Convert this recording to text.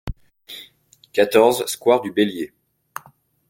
quatorze square du Bélier